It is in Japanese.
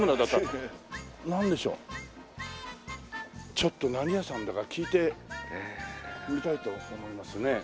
ちょっと何屋さんだか聞いてみたいと思いますね。